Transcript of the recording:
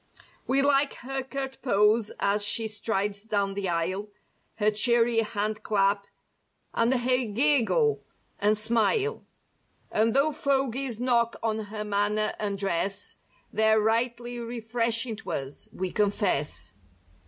We like her curt pose as she strides down the aisle; Her cheery hand clap and her giggle and smile; And 'though fogies knock on her manner and dress They're rightly refreshing to us, we confess.